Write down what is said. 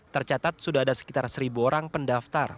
tercatat sudah ada sekitar seribu orang pendaftar